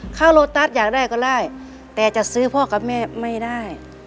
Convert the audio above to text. โลตัสอยากได้ก็ได้แต่จะซื้อพ่อกับแม่ไม่ได้